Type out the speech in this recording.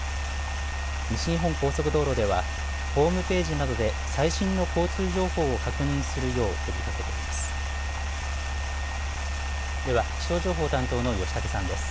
西日本高速道路ではホームページなどで最新の交通情報を確認するよう呼びかけています。